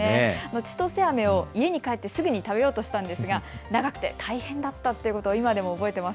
ちとせあめを家に帰ってすぐに食べようとしたんですが長くて大変だったということを今でも覚えています。